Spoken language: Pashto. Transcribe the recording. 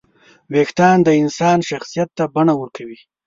وېښتيان د انسان شخصیت ته بڼه ورکوي.